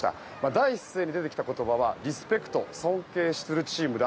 第一声で出てきた言葉はリスペクト尊敬しているチームだ。